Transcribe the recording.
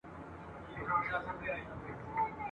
سل روپۍ پوره كه داختر شپه پر كور كه !.